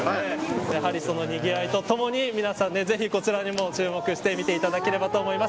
やはり、にぎわいとともに皆さん、ぜひこちらにも注目して見ていただければと思います。